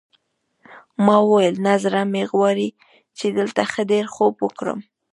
ما وویل نه زړه مې غواړي چې دلته ښه ډېر خوب وکړم.